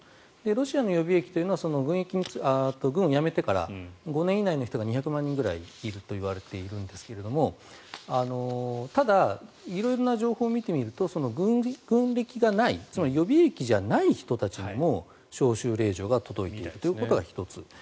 ロシアの予備役は軍を辞めてから５年以内の人が２００万人ぐらいいると言われているんですがただ、色々な情報を見てみると軍歴がないつまり予備役じゃない人たちにも招集令状が届いているということが１つ。